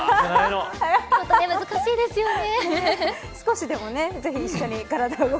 難しいですよね。